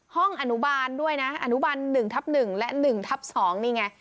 ห้องอนุบาลด้วยนะอนุบาลหนึ่งทับหนึ่งและหนึ่งทับสองนี่ไง